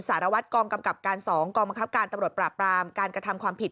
สารวัตรกองกำกับการ๒กองบังคับการตำรวจปราบปรามการกระทำความผิด